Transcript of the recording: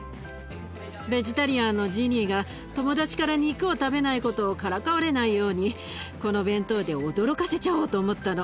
ベジタリアンのジニーが友達から肉を食べないことをからかわれないようにこの弁当で驚かせちゃおうと思ったの。